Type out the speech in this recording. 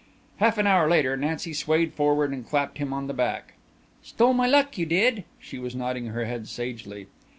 Half an hour later Nancy swayed forward and clapped him on the back. "Stole my luck, you did." She was nodding her head sagely.